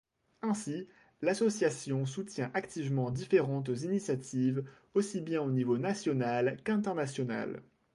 Ainsi, l'association soutient activement différentes initiatives, aussi bien au niveau national qu'international.